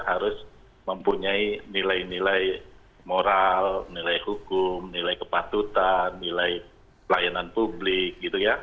harus mempunyai nilai nilai moral nilai hukum nilai kepatutan nilai pelayanan publik gitu ya